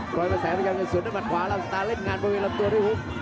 กลอยมาแสบกันกันสวดด้วยมัดขวาลาบสตาร์เล่นงานบริเวณลับตัวด้วยฮุก